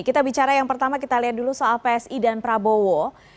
kita bicara yang pertama kita lihat dulu soal psi dan prabowo